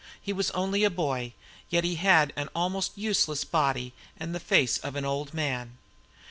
He was only a boy, yet he had an almost useless body aid the face of an old man.